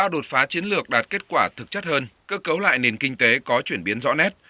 ba đột phá chiến lược đạt kết quả thực chất hơn cơ cấu lại nền kinh tế có chuyển biến rõ nét